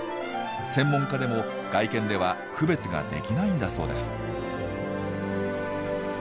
専門家でも外見では区別ができないんだそうです。